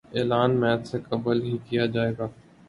اعلان میچ سے قبل ہی کیا جائے گا